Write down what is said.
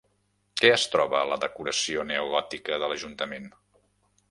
Què es troba a la decoració neogòtica de l'Ajuntament?